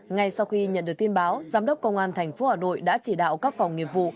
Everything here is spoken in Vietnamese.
ngay sau khi nhận được tin báo giám đốc công an tp hà nội đã chỉ đạo các phòng nghiệp vụ